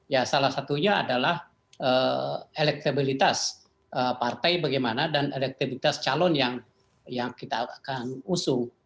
ya salah satunya adalah elektabilitas partai bagaimana dan elektabilitas calon yang kita akan usung